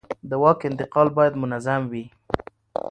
د واک انتقال باید منظم وي